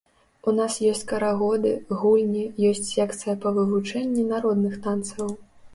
У нас ёсць карагоды, гульні, ёсць секцыя па вывучэнні народных танцаў.